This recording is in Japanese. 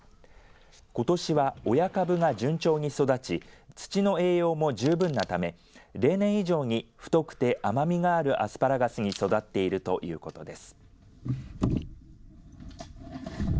ことしは親株が順調に育ち土の栄養も十分なため例年以上に太くて甘みがあるアスパラガスに育っているということです。